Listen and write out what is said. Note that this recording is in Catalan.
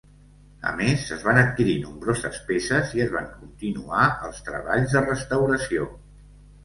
A més, es van adquirir nombroses peces i es van continuar els treballs de restauració.